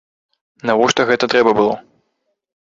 Навошта гэта трэба было?